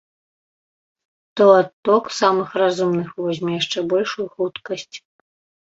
То адток самых разумных возьме яшчэ большую хуткасць.